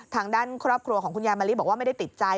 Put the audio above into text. ทางด้านครอบครัวของคุณยายมะลิบอกว่าไม่ได้ติดใจ